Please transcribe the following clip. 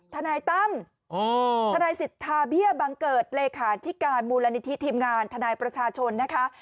ทนายตั้มทนายสิทธาเบี้ยบังเกิดเลขาธิการมูลนิธิทีมงานทนายประชาชนนะคะ